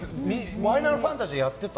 「ファイナルファンタジー」やってた？